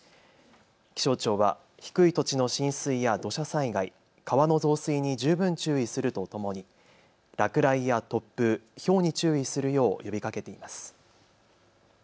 気象庁は低い土地の浸水や土砂災害、川の増水に十分注意するとともに落雷や突風、ひょうに注意するよう呼びかけています。